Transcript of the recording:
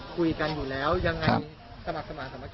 คุยกันอยู่แล้วยังไงสมัครสมัคร